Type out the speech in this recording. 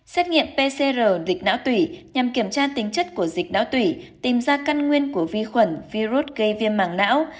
xét nghiệm pcr dịch não tủy nhằm kiểm tra tính chất của dịch não tủy tìm ra căn nguyên của vi khuẩn virus gây viêm mạng não